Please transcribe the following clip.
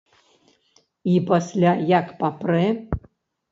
І пасля як папрэ!